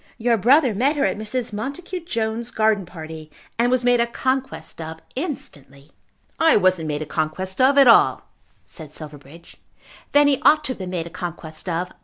Your brother met her at Mrs. Montacute Jones's garden party, and was made a conquest of instantly." "I wasn't made a conquest of at all," said Silverbridge. "Then he ought to have been made a conquest of.